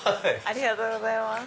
ありがとうございます。